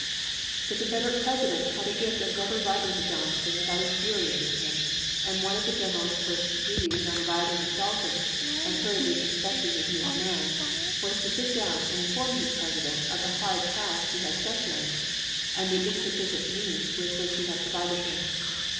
pp. 267 269. The Confederate President had a gift of never writing to Johnston without infuriating him ; and one of the general's first duties on arriving at Dalton and hurriedly inspecting his new command was to sit down and inform his President of the hard task he had set him, and the insufficient 328 ABRAHAM LINCOLN ch. XIII. means with which he had provided him.